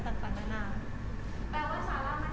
แปลว่าซาร่ามันใจว่าการตัดสินใจ๑๐๐ของเรา